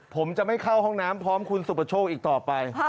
ผมจะไม่เข้าห้องน้ำพร้อมคุณสุประโชคอีกต่อไป